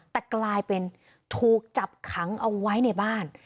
แต่กลายเป็นถูกจับขังเอาไว้ในบ้าน